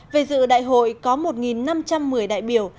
về dự đại hội có một năm trăm một mươi đại biểu